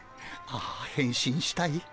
ああへん身したい。